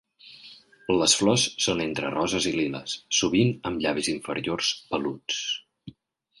Les flors són entre roses i liles, sovint amb llavis inferiors peluts.